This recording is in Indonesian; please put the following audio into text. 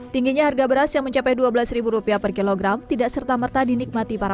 tingginya harga beras yang mencapai dua belas rupiah per kilogram tidak serta merta dinikmati para